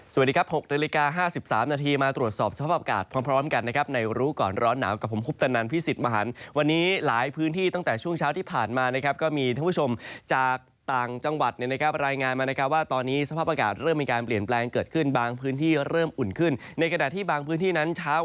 สวัสดีครับ๖นาฬิกา๕๓นาทีมาตรวจสอบสภาพอากาศพร้อมพร้อมกันนะครับในรู้ก่อนร้อนหนาวกับผมคุปตนันพิสิทธิ์มหันวันนี้หลายพื้นที่ตั้งแต่ช่วงเช้าที่ผ่านมานะครับก็มีท่านผู้ชมจากต่างจังหวัดเนี่ยนะครับรายงานมานะครับว่าตอนนี้สภาพอากาศเริ่มมีการเปลี่ยนแปลงเกิดขึ้นบางพื้นที่เริ่มอุ่นขึ้นในขณะที่บางพื้นที่นั้นเช้า